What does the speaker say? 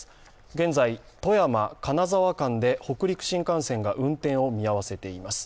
現在、富山−金沢間で北陸新幹線が運転を見合わせています。